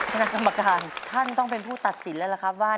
คณะกรรมการท่านต้องเป็นผู้ตัดสินแล้วล่ะครับว่า